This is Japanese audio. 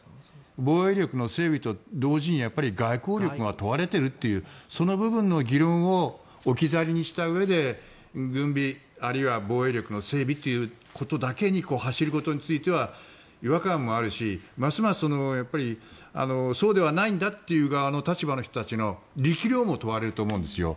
防衛力の整備と同時にやっぱり外交力が問われているというその部分の議論を置き去りにしたうえで軍備、あるいは防衛力の整備ということだけに走ることについては違和感があるしますますそうではないんだという側の立場の人たちの力量も問われると思うんですよ。